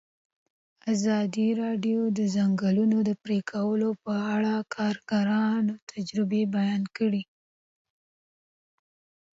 ازادي راډیو د د ځنګلونو پرېکول په اړه د کارګرانو تجربې بیان کړي.